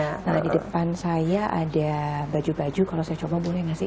nah di depan saya ada baju baju kalau saya coba boleh nggak sih